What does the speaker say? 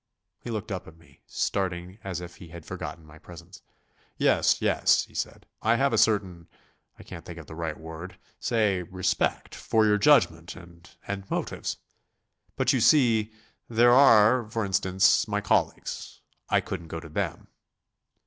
He looked up at me, starting as if he had forgotten my presence. "Yes, yes," he said, "I have a certain I can't think of the right word say respect for your judgment and and motives ... But you see, there are, for instance, my colleagues. I couldn't go to them